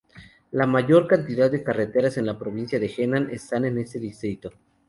La mayor cantidad de carreteras en la provincia de Henan están en este distrito.